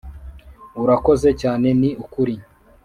urakoze cyane ni ukuri!